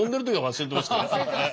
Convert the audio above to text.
忘れてますか。